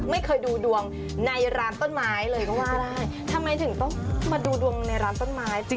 ไม่เคยดูดวงในร้านต้นไม้เลยก็ว่าได้ทำไมถึงต้องมาดูดวงในร้านต้นไม้จริง